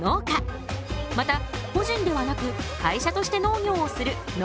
また個人ではなく会社として農業をする農業法人もある。